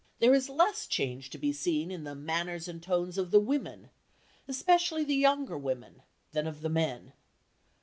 There is less change to be seen in the "manners and tone" of the women, especially the younger women, than of the men.